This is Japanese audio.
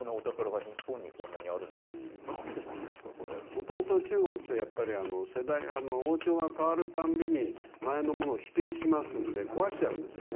もともと中国ってやっぱり世代王朝がかわるたんびに前のものを否定しますんで壊しちゃうんですよね。